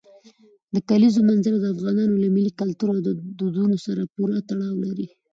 د کلیزو منظره د افغانانو له ملي کلتور او دودونو سره پوره تړاو لري.